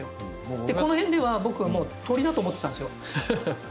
この辺では僕はもう鳥だと思ってたんですよ。